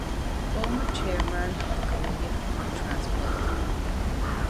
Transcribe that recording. Former Chairman of the Committee on Transport.